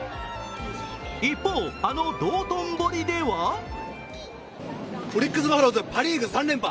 一方、あの道頓堀ではオリックス・バファローズパ・リーグ３連覇。